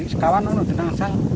sekarang tidak dapat